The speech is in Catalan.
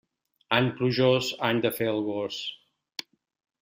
Any plujós, any de fer el gos.